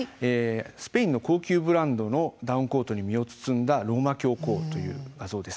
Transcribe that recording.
スペインの高級ブランドのダウンコートに身を包んだローマ教皇という画像です。